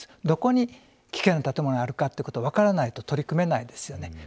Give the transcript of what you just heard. どこに危険があるかということを分からないと取り組めないですよね。